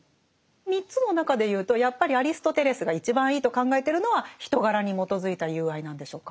３つの中で言うとやっぱりアリストテレスが一番いいと考えてるのは人柄に基づいた友愛なんでしょうか？